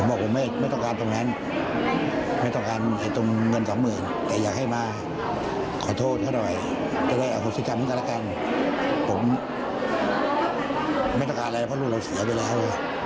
ผมไม่ต้องการอะไรเพราะลูกหลายเสียไปแล้ว